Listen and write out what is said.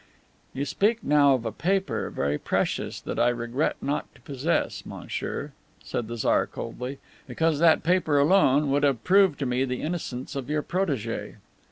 "You speak now of a paper, very precious, that I regret not to possess, monsieur," said the Tsar coldly, "because that paper alone would have proved to me the innocence of your protegee."